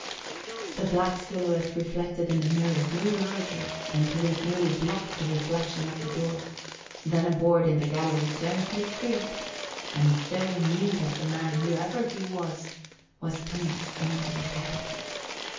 The black silhouette reflected in the mirror grew larger until it nearly blocked the reflection of the door, then a board in the gallery gently creaked and Phil knew that the man, whoever he was, was coming into the cabin.